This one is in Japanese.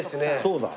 そうだ。